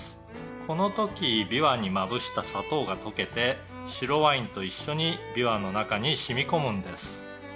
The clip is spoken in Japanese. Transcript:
「この時ビワにまぶした砂糖が溶けて白ワインと一緒にビワの中に染み込むんです」